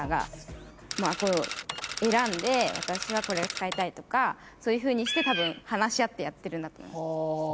選んで私はこれを使いたいとかそういうふうにして多分話し合ってやってるんだと。